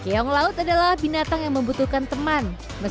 keong laut adalah binatang yang membutuhkan tempat tidur yang dekat dengan buah buahan